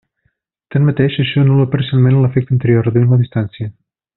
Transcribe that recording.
Tanmateix, això anul·la parcialment l'efecte anterior, reduint la distància.